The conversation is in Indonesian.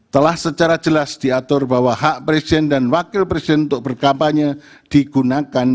telah secara jelas diatur bahwa hak presiden dan wakil presiden untuk berkampanye digunakan